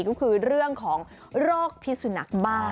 ก็คือเรื่องของโรคพิสุนักบ้า